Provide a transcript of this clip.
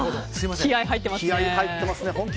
気合入ってますね。